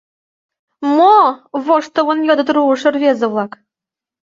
— Мо? — воштылын йодыт руышо рвезе-влак.